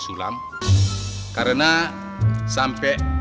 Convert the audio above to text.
gak gak mi